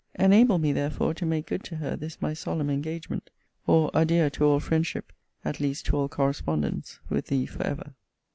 Enable me therefore to make good to her this my solemn engagement; or adieu to all friendship, at least to all correspondence, with thee for ever.